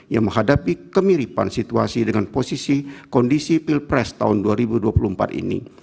yang menghadapi kemiripan situasi dengan posisi kondisi pilpres tahun dua ribu dua puluh empat ini